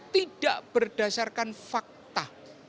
tidak berdasarkan fakta